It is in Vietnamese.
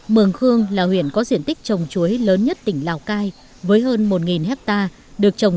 mường khương là huyện có diện tích trồng chuối lớn nhất tỉnh lào cai với hơn một hectare được trồng